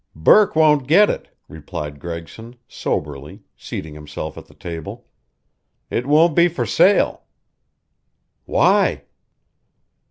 "Burke won't get it," replied Gregson, soberly, seating himself at the table. "It won't be for sale." "Why?"